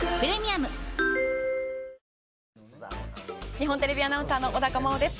日本テレビアナウンサーの小高茉緒です。